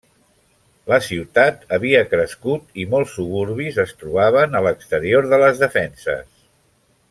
La ciutat havia crescut, i molts suburbis es trobaven a l'exterior de les defenses.